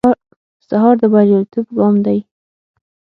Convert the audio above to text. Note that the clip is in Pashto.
سهار د بریالیتوب ګام دی.